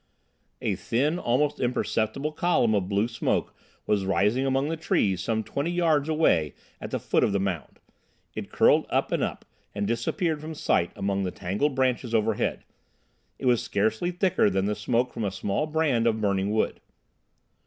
A thin, almost imperceptible column of blue smoke was rising among the trees some twenty yards away at the foot of the mound. It curled up and up, and disappeared from sight among the tangled branches overhead. It was scarcely thicker than the smoke from a small brand of burning wood.